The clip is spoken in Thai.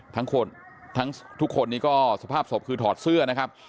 ทั้งทุกคนนี้ก็สภาพศพคือถอดเสื้อนะครับ